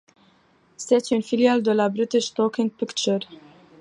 C'est une filiale de la British Talking Pictures.